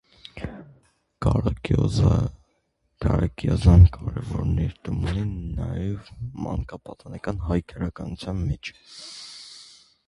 Գարակէօզեան կարեւոր ներդրում ունի նաեւ մանկապատանեկան հայ գրականութեան մէջ։